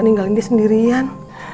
ninggalin dia sendirian